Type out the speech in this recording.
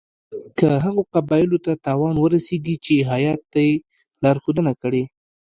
که هغو قبایلو ته تاوان ورسیږي چې هیات ته یې لارښودنه کړې.